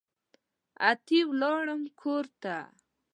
اتي ولاړم کورته